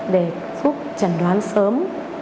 để giúp chẩn đoán sớm